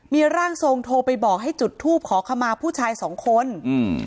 มีร่างทรงโทรไปบอกให้จุดทูปขอขมาผู้ชายสองคนอืม